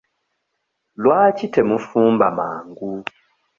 Lwaki temufumba mangu?